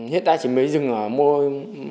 hiện tại chỉ mới dừng ở môi